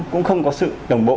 cũng không có sự đồng bộ